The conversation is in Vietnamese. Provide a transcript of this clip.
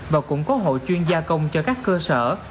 và cũng có hội chuyên gia công cho các cơ sở